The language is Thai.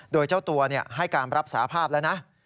โดยเจ้าตัวให้การรับสาภาพแล้วนะ